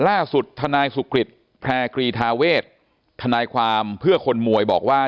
ล่าสุดทนายสุกฤษแพร่กรีธาเวททนายความเพื่อคนมวยบอกว่า